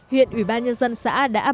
huyện ủy ban nhân dân xã đã bảo